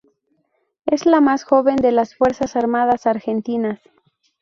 Es la más joven de las Fuerzas Armadas argentinas.